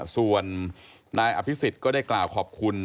ส่วนนายอภิษฎก็ได้กล่าวขอบคุณ